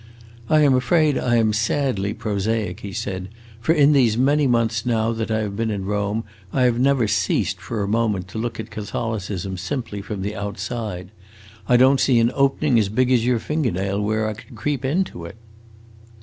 "I am afraid I am sadly prosaic," he said, "for in these many months now that I have been in Rome, I have never ceased for a moment to look at Catholicism simply from the outside. I don't see an opening as big as your finger nail where I could creep into it!"